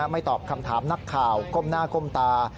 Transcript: ไม่ตอบคำถามนักข่าวก้มหน้าก้มตา